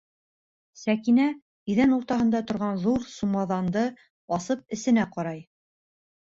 Сәкинә иҙән уртаһында торған ҙур сумаҙанды асып эсенә ҡарай.